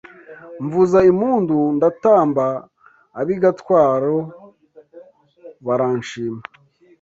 Mvuza impundu ndatamba Ab’i Gatwaro baranshima